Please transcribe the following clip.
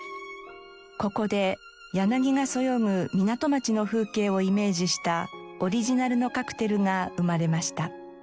ここで「柳がそよぐ港町の風景」をイメージしたオリジナルのカクテルが生まれました。